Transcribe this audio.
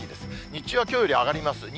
日中はきょうより上がります。